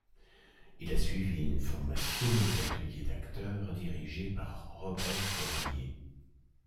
Il a suivi une formation aux ateliers d'acteurs dirigée par Robert Cordier.